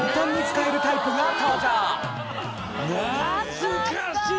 懐かしい！